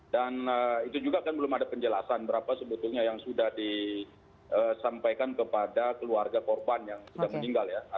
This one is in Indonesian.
dan itu juga kan belum ada penjelasan berapa sebetulnya yang sudah disampaikan kepada keluarga korban yang sudah meninggal ya